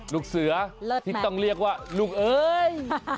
ลูกเสือที่ต้องเรียกว่าลูกเอ้ย